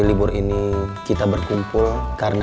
kamu yang sabar ya kan